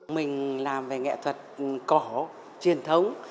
mình làm về nghệ thuật cỏ truyền thống